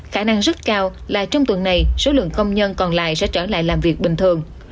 khả năng rất cao là trong tuần này số lượng công nhân còn lại sẽ trở lại làm việc bình thường